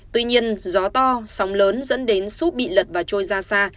tuy nhiên gió to sóng lớn dẫn đến sup bị lật và trôi ra xa